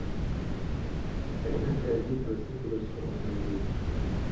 Elle est interdite à la circulation automobile.